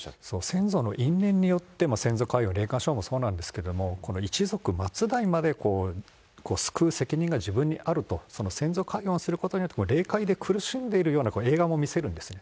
先祖の因縁によって、先祖解怨、霊感商法、そうなんですけども、この一族末代まで救う責任が自分にあると、その先祖解怨することによって、霊界で苦しんでいるような映画を見せるんですね。